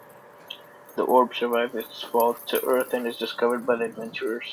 The orb survives its fall to earth and is discovered by the adventurers.